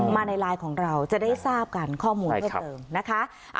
มาในไลน์ของเราจะได้ทราบกันข้อมูลเพิ่มเติมนะคะ